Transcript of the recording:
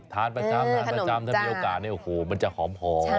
ทานประจำถ้ามีโอกาสมันจะหอม